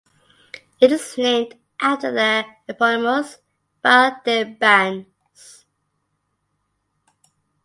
It is named after the eponymous Val de Bagnes.